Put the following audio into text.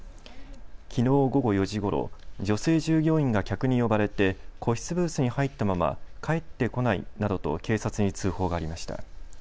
きのう午後４時ごろ女性従業員が客に呼ばれて個室ブースに入ったまま帰ってこないなどと警察に通報がありました。